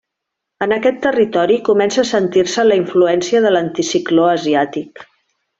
En aquest territori comença a sentir-se la influència de l'anticicló asiàtic.